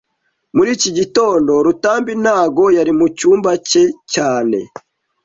Muri iki gitondo, Rutambi ntago yari mu cyumba cye cyane